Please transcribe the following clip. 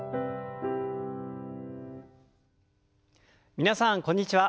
皆さんこんにちは。